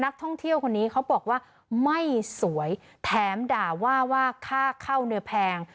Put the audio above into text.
ท่องเที่ยวคนนี้เขาบอกว่าไม่สวยแถมด่าว่าว่าค่าเข้าเนื้อแพง